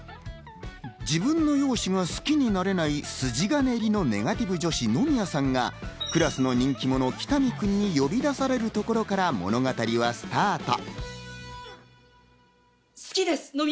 自分の容姿が好きになれない筋金入りのネガティブ女子・野宮さんがクラスの人気者・北見君に呼び出されるところから物語はスタート。